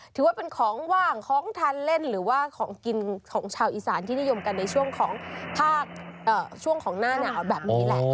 ถือว่าเป็นของว่างของทานเล่นหรือว่าของกินของชาวอีสานที่นิยมกันในช่วงของภาคช่วงของหน้าหนาวแบบนี้แหละ